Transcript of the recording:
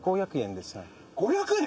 ５００円！？